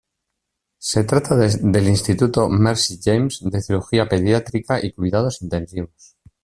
Se trata del Instituto Mercy James de Cirugía Pediátrica y Cuidados Intensivos.